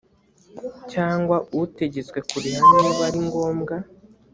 cyangwa utegetswe kuriha niba ari ngombwa